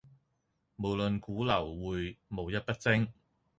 無論股樓匯無一不精